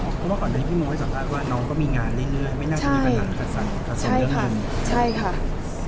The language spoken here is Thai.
เพราะว่าก่อนที่พี่โมให้สัมภาษณ์ว่าน้องก็มีงานเรื่อยเรื่อยใช่ไม่น่าจะมีปัญหาจัดสรรจัดสรรเรื่องนี้ใช่ค่ะใช่ค่ะ